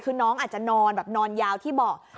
คือน้องอาจจะนอนแบบนอนยาวที่เบาะ